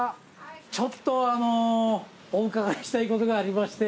ちょっとお伺いしたいことがありまして。